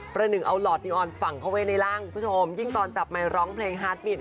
หนึ่งเอาหลอดนิออนฝั่งเข้าไว้ในร่างคุณผู้ชมยิ่งตอนจับไมค์ร้องเพลงฮาร์ดมิน